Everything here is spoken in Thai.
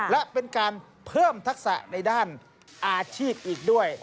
และเป็นการเพิ่มทักษะในด้านอาชีพอีกด้วย